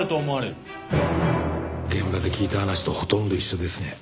現場で聞いた話とほとんど一緒ですね。